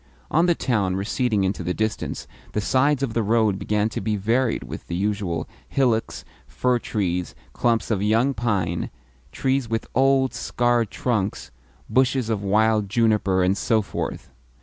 On the town receding into the distance, the sides of the road began to be varied with the usual hillocks, fir trees, clumps of young pine, trees with old, scarred trunks, bushes of wild juniper, and so forth.